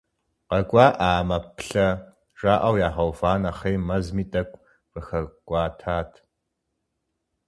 КъакӀуэӀамэ, плъэ, жаӀэу ягъэува нэхъей, мэзми тӀэкӀу къыхэкӀуэтат.